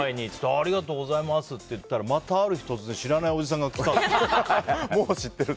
ありがとうございますって言ったらまた、ある日突然知らないおじさんが来たって。